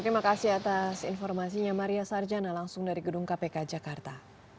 terima kasih atas informasinya maria sarjana langsung dari gedung kpk jakarta